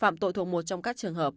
phạm tội thuộc một trong các trường hợp